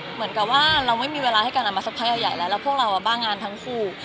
เหมือนกับว่าเราไม่มีเวลาให้กันมาสักพักใหญ่แล้วแล้วพวกเราบ้างานทั้งคู่